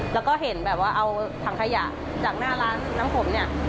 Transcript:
แล้วก็เห็นแบบว่าเอาถังขยะจากหน้าร้านน้ำผมเนี่ย